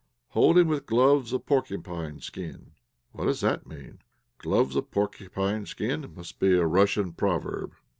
'Hold him with gloves of porcupine skin' What does that mean 'gloves of porcupine skin?' It must be a Russian proverb.